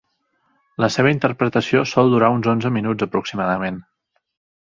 La seva interpretació sol durar uns onze minuts aproximadament.